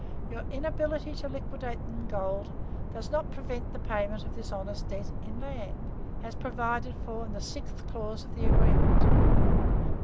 Your inability to liquidate in gold does not prevent the payment of this honest debt in land, as provided for in the sixth clause of the agreement.